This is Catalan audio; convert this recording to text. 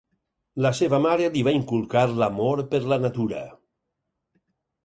La seva mare li va inculcar l'amor per la natura.